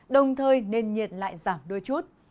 đồng thời nền nhiệt lại giảm đôi chút